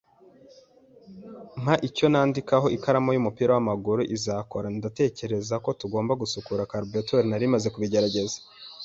"Mpa icyo nandika." "Ikaramu y'umupira w'amaguru izakora?" "Ndatekereza ko tugomba gusukura karburetor." "Nari maze kubigerageza."